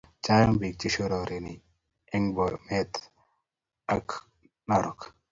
chang pik che shorore en Bomet ak Narok